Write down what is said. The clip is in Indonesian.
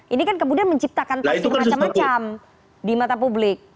ini kan kemudian menciptakan tafsir macam macam di mata publik